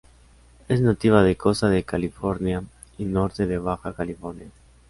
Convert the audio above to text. Es nativa de costa de California y norte de Baja California.